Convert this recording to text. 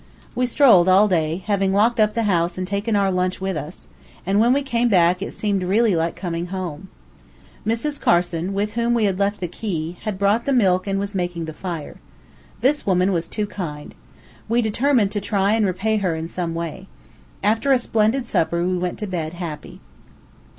We strolled all day, having locked up the house and taken our lunch with us; and when we came back, it seemed really like coming home. Mrs. Carson with whom we had left the key, had brought the milk and was making the fire. This woman was too kind. We determined to try and repay her in some way. After a splendid supper we went to bed happy.